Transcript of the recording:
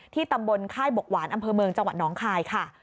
ตำบลค่ายบกหวานอำเภอเมืองจังหวัดน้องคายค่ะ